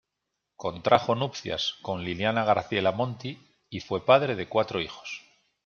Contrajo nupcias con Liliana Graciela Monti y fue padre de cuatro hijos.